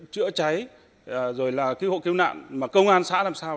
chữa cháy rồi là cứu hộ cứu nạn mà công an xã làm sao